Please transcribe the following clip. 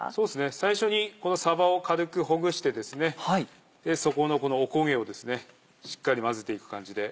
最初にこのさばを軽くほぐして底のおこげをですねしっかり混ぜていく感じで。